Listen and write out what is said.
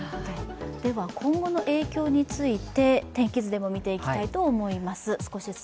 では今後の影響について天気図で見ていきたいと思います。